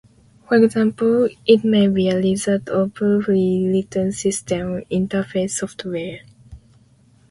For example, it may be a result of poorly written system interface software.